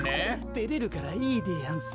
てれるからいいでやんす。